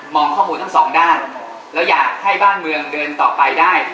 ข้อมูลทั้งสองด้านแล้วอยากให้บ้านเมืองเดินต่อไปได้